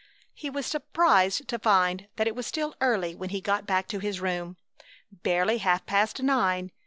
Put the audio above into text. He was surprised to find that it was still early when he got back to his room, barely half past nine.